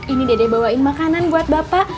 ini deh bawain makanan buat bapak